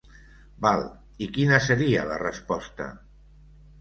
Val, i quina seria la resposta?